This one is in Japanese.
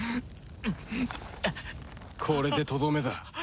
これでとどめだ。